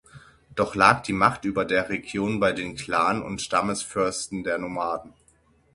Doch lag die Macht über der Region bei den Klan- und Stammesfürsten der Nomaden.